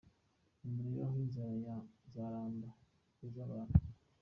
Nimurebe aho inzara ya “Nzaramba” igeze abantu!